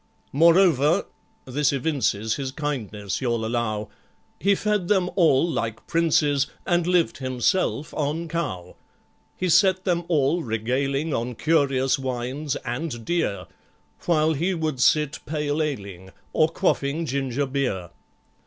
Moreover,—this evinces His kindness, you'll allow,— He fed them all like princes, And lived himself on cow. He set them all regaling On curious wines, and dear, While he would sit pale ale ing, Or quaffing ginger beer.